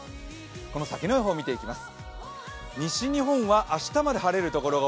この先の予報見ていきます。